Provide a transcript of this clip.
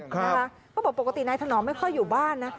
เขาบอกปกตินายถนอมไม่ค่อยอยู่บ้านนะ